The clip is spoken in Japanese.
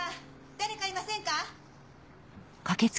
誰かいませんか！？